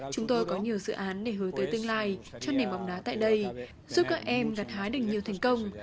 chúng tôi có nhiều dự án để hướng tới tương lai cho nền bóng đá tại đây giúp các em gặt hái được nhiều thành công